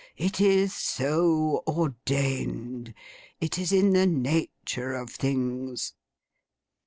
It is so Ordained. It is in the nature of things.